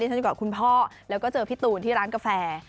ฉันอยู่กับคุณพ่อแล้วก็เจอพี่ตูนที่ร้านกาแฟ